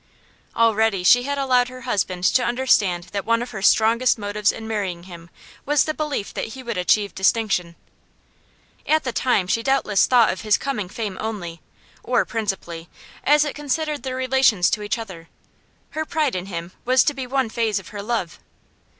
Already she had allowed her husband to understand that one of her strongest motives in marrying him was the belief that he would achieve distinction. At the time she doubtless thought of his coming fame only or principally as it concerned their relations to each other; her pride in him was to be one phase of her love.